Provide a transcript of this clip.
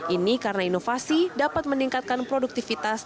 ini karena inovasi dapat meningkatkan produktivitas